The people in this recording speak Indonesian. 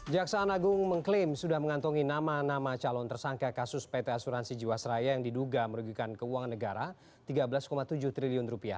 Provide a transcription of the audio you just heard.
jaksaan agung mengklaim sudah mengantongi nama nama calon tersangka kasus pt asuransi jiwasraya yang diduga merugikan keuangan negara rp tiga belas tujuh triliun